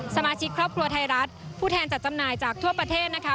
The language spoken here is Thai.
สมาชิกครอบครัวไทยรัฐผู้แทนจัดจำหน่ายจากทั่วประเทศนะคะ